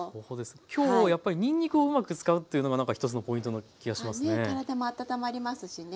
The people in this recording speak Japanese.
今日やっぱりにんにくをうまく使うというのがなんか一つのポイントな気がしますね。